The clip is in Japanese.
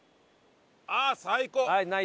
ああ最高！